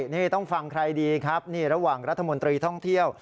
นี่ต้องฟังใครดีครับนี่ระหว่างรัฐมนตรีท่องเที่ยว